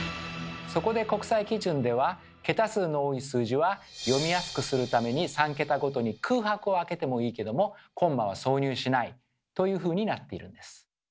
そこで国際基準では「桁数の多い数字は読みやすくするために３桁ごとに空白を空けてもいいけどもコンマは挿入しない」というふうになっているんです。